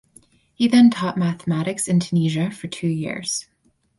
He then taught mathematics in Tunisia for two years.